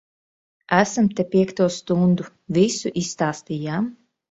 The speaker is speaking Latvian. Esam te piekto stundu. Visu izstāstījām.